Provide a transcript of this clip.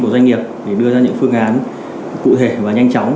doanh nghiệp để đưa ra những phương án cụ thể và nhanh chóng